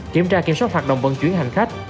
kiểm tra kiểm soát hoạt động vận chuyển hành khách